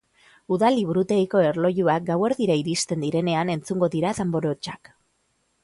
Udal liburutegiko erlojuak gauerdira iristen direnean entzungo dira danbor hotsak.